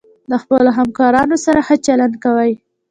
د خپلو همکارانو سره ښه چلند کوئ.